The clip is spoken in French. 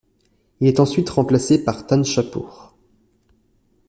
Il est ensuite remplacé par Tan-Châhpouhr.